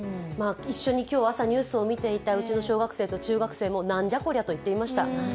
一緒に今日朝ニュースを見ていたうちの小学生と中学生も、なんじゃこりゃと言っていました。